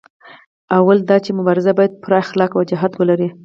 لومړی دا چې مبارزه باید پوره اخلاقي وجاهت ولري.